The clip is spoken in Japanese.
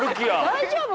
大丈夫？